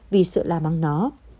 vì sự làm ăn nó